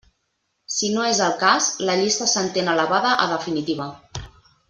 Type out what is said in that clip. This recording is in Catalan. Si no és el cas, la llista s'entén elevada a definitiva.